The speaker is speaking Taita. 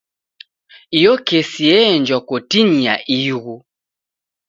Iyo kesi yeenjwa kotinyi ya ighu.